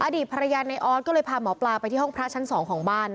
อดีตภรรยาในออสก็เลยพาหมอปลาไปที่ห้องพระชั้น๒ของบ้าน